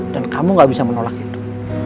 dan kamu gak bisa menolak itu